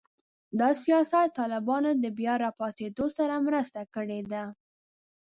دا سیاست د طالبانو د بیا راپاڅېدو سره مرسته کړې ده